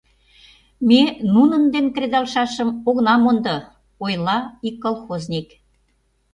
Ме нунын дене кредалшашым огына мондо! — ойла ик колхозник.